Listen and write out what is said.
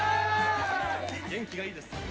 元気がいいです。